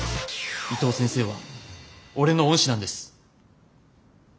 伊藤先生は俺の恩師なんです。